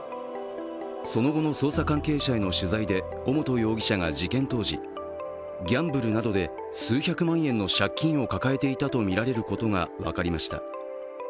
その後の捜査関係者への取材で尾本容疑者が事件当時、ギャンブルなどで数百万円の借金を抱えていたとみられることが分かりました。